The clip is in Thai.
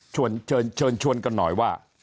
เชิญเชิญชวนกันหน่อยว่า